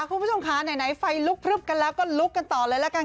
คุณผู้ชมค่ะไหนไฟลุกพลึบกันแล้วก็ลุกกันต่อเลยละกัน